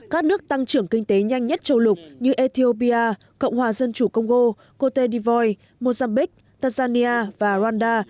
các nước tăng trưởng kinh tế nhanh nhất châu lục như ethiopia cộng hòa dân chủ công ngô côte d ivoire mozambique tanzania và rwanda